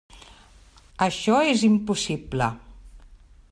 Això és impossible.